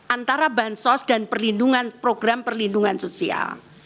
antara bansos dan perlindungan program perlindungan sosial